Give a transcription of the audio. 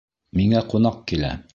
Миңә ҡунаҡ килә.